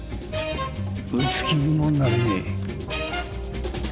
撃つ気にもなれねえ。